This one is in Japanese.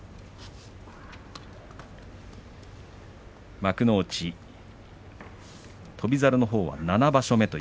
幕内、翔猿のほうは７場所目。